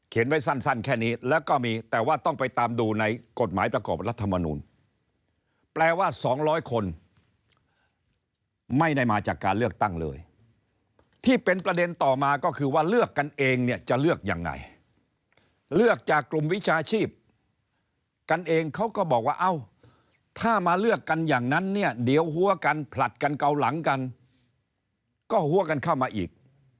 ไว้สั้นแค่นี้แล้วก็มีแต่ว่าต้องไปตามดูในกฎหมายประกอบรัฐมนูลแปลว่า๒๐๐คนไม่ได้มาจากการเลือกตั้งเลยที่เป็นประเด็นต่อมาก็คือว่าเลือกกันเองเนี่ยจะเลือกยังไงเลือกจากกลุ่มวิชาชีพกันเองเขาก็บอกว่าเอ้าถ้ามาเลือกกันอย่างนั้นเนี่ยเดี๋ยวหัวกันผลัดกันเกาหลังกันก็หัวกันเข้ามาอีก